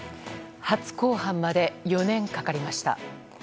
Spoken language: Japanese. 初公判まで４年かかりました。